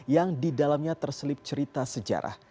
yang di dalamnya terselip cerita sejarah